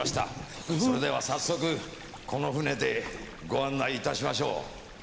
それでは早速この舟でご案内いたしましょう。